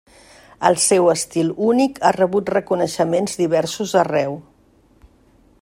El seu estil únic ha rebut reconeixements diversos arreu.